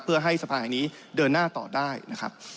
เพื่อให้สภาแห่งนี้เดินหน้าต่อได้นะครับ